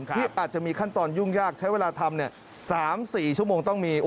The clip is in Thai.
ที่อาจจะมีขั้นตอนยุ่งยากใช้เวลาทำ๓๔ชั่วโมงต้องมี